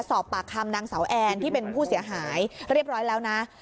นางเสาแอนที่เป็นผู้เสียหายเรียบร้อยแล้วนะ